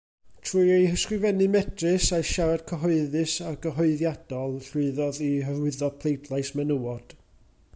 Trwy ei hysgrifennu medrus a'i siarad cyhoeddus argyhoeddiadol, llwyddodd i hyrwyddo pleidlais menywod.